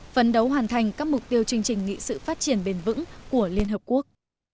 phấn đấu hoàn thành các mục tiêu chương trình nghị sự phát triển bền vững của liên hợp quốc